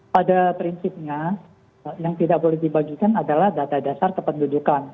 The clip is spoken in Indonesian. pada prinsipnya yang tidak boleh dibagikan adalah data dasar kependudukan